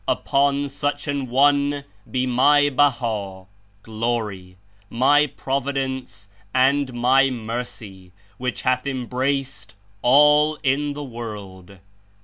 Upon such an one be My Baha (Glory), My Prov idence and My Mercy, which hath embraced all in the world!"